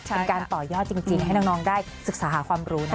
เป็นการต่อยอดจริงให้น้องได้ศึกษาหาความรู้นะ